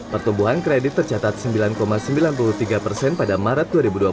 pertumbuhan kredit tercatat sembilan sembilan puluh tiga persen pada maret dua ribu dua puluh satu